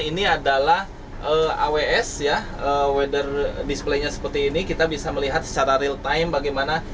ini adalah aws ya weather display nya seperti ini kita bisa melihat secara real time bagaimana